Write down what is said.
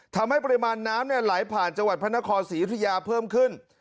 ทำให้ปริมาณน้ำไหลผ่านจังหวัดพระนครศรียุธยาเพิ่มขึ้น